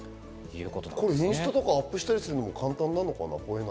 インスタとかアップしたりするのも簡単なのかな？